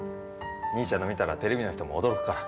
兄ちゃんのを見たらテレビの人も驚くから。